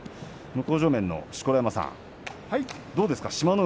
向正面の錣山さん、どうですか志摩ノ